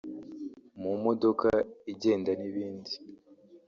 mu modoka igenda n’ibindi